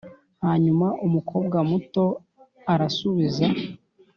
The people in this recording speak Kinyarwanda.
hanyuma umukobwa muto arasubiza,